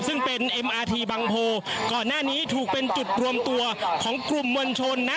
ซึ่งเป็นเอ็มอาทีบังโพก่อนหน้านี้ถูกเป็นจุดรวมตัวของกลุ่มมวลชนนะ